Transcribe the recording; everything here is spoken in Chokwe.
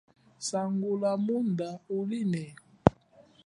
Sangula munda ulime.